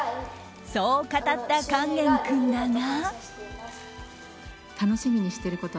そう語った勸玄君だが。